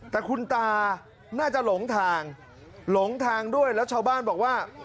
แต่คุณตาน่าจะหลงทางหลงทางด้วยแล้วชาวบ้านบอกว่า